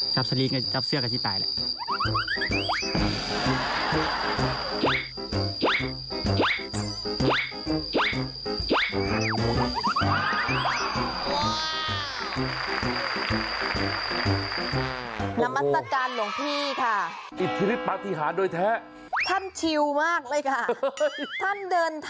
จับสลิงกับเซือกก็จะตายเลย